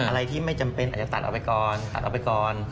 อะไรที่ไม่จำเป็นอาจจะตัดเอาไปก่อน